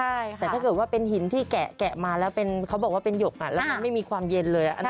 แต่ถ้าเกิดว่าเป็นหินที่แกะมาแล้วเขาบอกว่าเป็นหยกแล้วมันไม่มีความเย็นเลย